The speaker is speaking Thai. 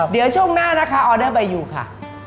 เดี๋ยวช่วงหน้านะคะออเดอร์ใบยูค่ะ